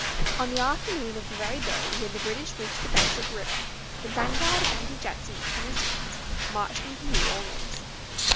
On the afternoon of the very day when the British reached the banks of the river the vanguard of Andrew Jackson's Tennesseeans marched into New Orleans.